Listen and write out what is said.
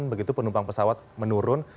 begitu penumpang pesawat menurun